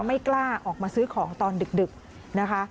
ไม่กล้าออกมาซื้อของตอนดึกนะคะ